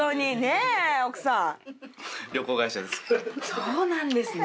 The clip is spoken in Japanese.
そうなんですね。